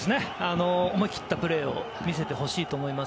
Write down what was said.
思い切ったプレーを見せてほしいと思います。